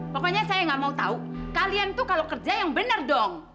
pokoknya saya nggak mau tahu kalian tuh kalau kerja yang benar dong